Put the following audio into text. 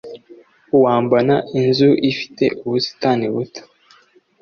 Wambona inzu ifite ubusitani buto